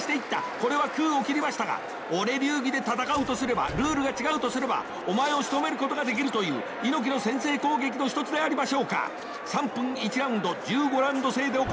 これは空を切りましたが俺流儀で戦うとすればルールが違うとすればお前をしとめることができるという猪木の先制攻撃の一つでありましょうか⁉３分１ラウンド１５ラウンド制で行われます。